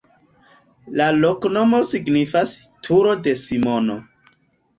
La loknomo signifas: turo de Simono.